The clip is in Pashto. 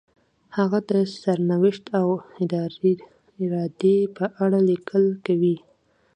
هغه د سرنوشت او ارادې په اړه لیکل کوي.